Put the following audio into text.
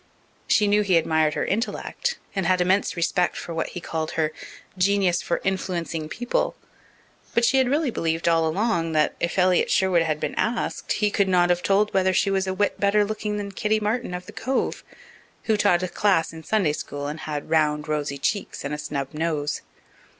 She knew he admired her intellect and had immense respect for what he called her "genius for influencing people," but she had really believed all along that, if Elliott Sherwood had been asked, he could not have told whether she was a whit better looking than Kitty Martin of the Cove, who taught a class in Sunday school and had round rosy cheeks and a snub nose.